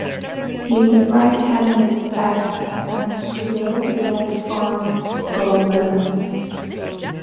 He is a right-handed batsman and a slow left-arm bowler.